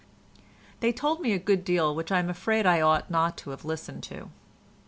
They told me a good deal which I am afraid I ought not to have listened to.